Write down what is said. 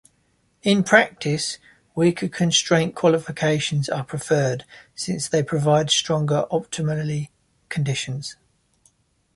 In practice weaker constraint qualifications are preferred since they provide stronger optimality conditions.